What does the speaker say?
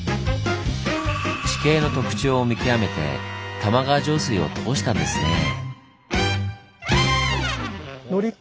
地形の特徴を見極めて玉川上水を通したんですねぇ。